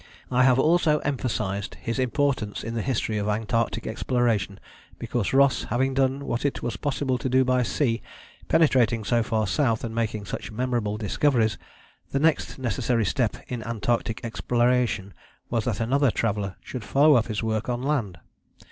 I have also emphasized his importance in the history of Antarctic exploration because Ross having done what it was possible to do by sea, penetrating so far south and making such memorable discoveries, the next necessary step in Antarctic exploration was that another traveller should follow up his work on land.